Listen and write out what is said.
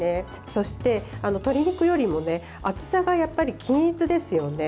そして鶏肉よりも厚さが均一ですよね。